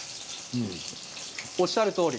おっしゃるとおり。